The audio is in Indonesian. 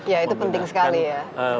ya itu penting sekali ya